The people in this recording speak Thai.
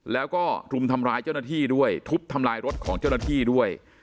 แล้วก็รุมทำร้ายเจ้าหน้าที่ด้วยทุบทำลายรถของเจ้าหน้าที่ด้วย